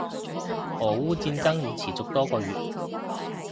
俄烏戰爭已持續多個月